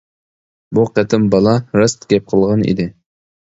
بۇ قېتىم بالا راست گەپ قىلغان ئىدى.